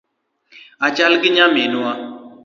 Achal gi nyaminwa